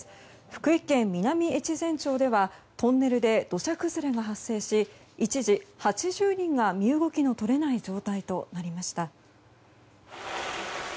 福井県南越前町ではトンネルで土砂崩れが発生し一時、８０人が身動きの取れない状態となりました。